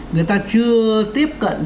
người ta chưa tiếp cận